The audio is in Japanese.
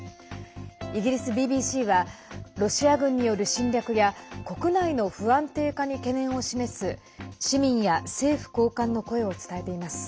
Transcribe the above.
イギリスＢＢＣはロシア軍による侵略や国内の不安定化に懸念を示す市民や政府高官の声を伝えています。